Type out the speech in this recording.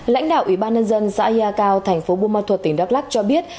lãnh đạo ủy ban nhân dân xã yà cao thành phố bumat thuật tỉnh đắk lắc cho biết